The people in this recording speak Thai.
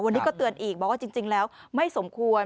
วันนี้ก็เตือนอีกบอกว่าจริงแล้วไม่สมควร